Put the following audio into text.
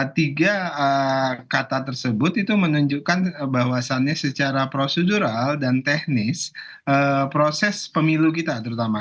tiga kata tersebut itu menunjukkan bahwasannya secara prosedural dan teknis proses pemilu kita terutama